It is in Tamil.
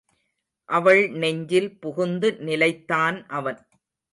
அவள் நெஞ்சில் புகுந்து நிலைத்தான் அவன்.